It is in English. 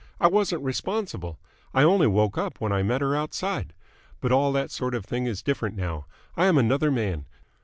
I wasn't responsible. I only woke up when I met her outside. But all that sort of thing is different now. I am another man.